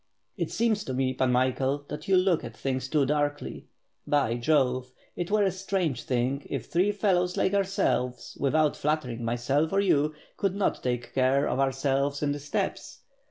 It seems to me Pan Michael, that you look at things too darkly. By Jove, it were a strange thing if three fellows like ourselves, without flattering myself or you, could not take care of ourselves in the steppes.